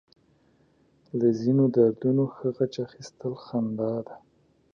له ځينو دردونو ښه غچ اخيستل خندا ده.